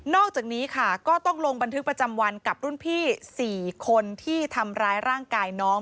อกจากนี้ค่ะก็ต้องลงบันทึกประจำวันกับรุ่นพี่๔คนที่ทำร้ายร่างกายน้อง